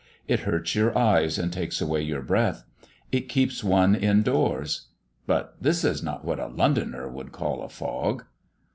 It hurts your eyes, and takes away your breath; it keeps one in doors. But this is not what a Londoner would call a fog."